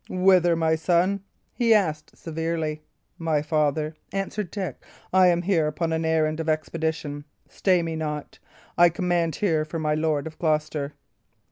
"Whither, my son?" he asked, severely. "My father," answered Dick, "I am here upon an errand of expedition. Stay me not. I command here for my Lord of Gloucester."